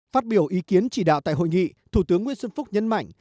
phát biểu ý kiến chỉ đạo tại hội nghị thủ tướng nguyễn xuân phúc nhấn mạnh